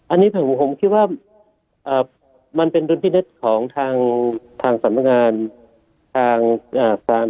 อันนี้ผมคิดว่ามันเป็นรุนที่เน็ตของทางสำนักงาน